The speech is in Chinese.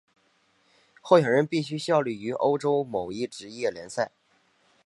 候选人必须效力于欧洲某一职业联赛。